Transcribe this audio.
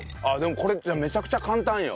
これめちゃくちゃ簡単よ。